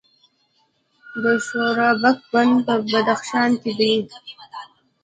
د شورابک بند په بدخشان کې دی